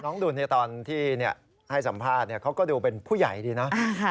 ดุลตอนที่ให้สัมภาษณ์เขาก็ดูเป็นผู้ใหญ่ดีนะ